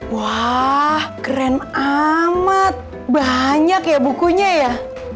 wah keren amat banyak ya bukunya ya